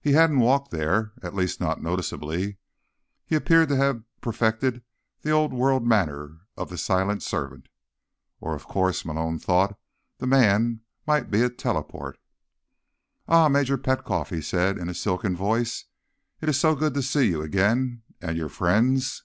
He hadn't walked there, at least not noticeably; he appeared to have perfected the old world manner of the silent servant. Or, of course, Malone thought, the man might be a teleport. "Ah, Major Petkoff," he said, in a silken voice. "It is so good to see you again. And your friends?"